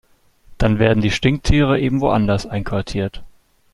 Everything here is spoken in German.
Dann werden die Stinktiere eben woanders einquartiert.